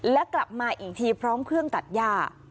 และกลับมาอีกทีพร้อมเครื่องตัดย่า